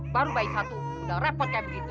baru bayi satu udah repot kayak begitu